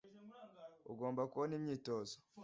ugomba kubona imyitozo